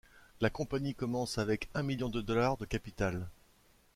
La compagnie commence avec un million de dollars de capital.